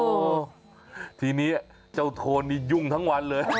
โอ้โหทีนี้เจ้าโทนนี่ยุ่งทั้งวันเลย